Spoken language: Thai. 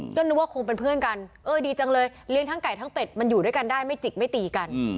ก็นึกว่าคงเป็นเพื่อนกันเออดีจังเลยเลี้ยงทั้งไก่ทั้งเป็ดมันอยู่ด้วยกันได้ไม่จิกไม่ตีกัน